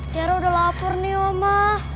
tiara udah lapar nih mama